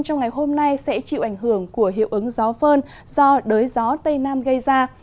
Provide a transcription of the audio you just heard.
trong ngày hôm nay sẽ chịu ảnh hưởng của hiệu ứng gió phơn do đới gió tây nam gây ra